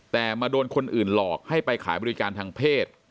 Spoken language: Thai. แต่มาโดนคนอื่นหลอกให้ไปขายบริการทางเพศ